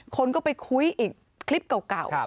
คนก็ไปคุยอีกคลิปเก่า